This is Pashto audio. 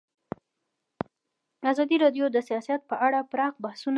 ازادي راډیو د سیاست په اړه پراخ بحثونه جوړ کړي.